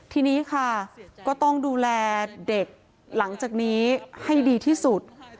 ทีนี้ค่ะก็ต้องดูแลเด็กหลังจากนี้ให้ดีที่สุด